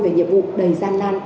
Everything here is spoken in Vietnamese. về nhiệm vụ đầy gian nan